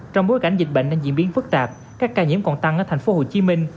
trong bối cảnh dịch bệnh đang diễn biến phức tạp các ca nhiễm còn tăng ở tp hcm